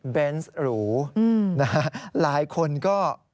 เบนส์หรูนะฮะหลายคนก็